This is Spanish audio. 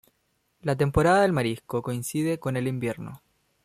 La temporada del marisco coincide con el invierno.